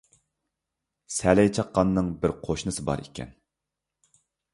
سەلەي چاققاننىڭ بىر قوشنىسى بار ئىكەن.